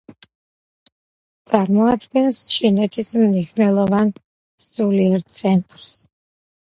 წარმოადგენს ჩინეთის მნიშვნელოვან სულიერ ცენტრს.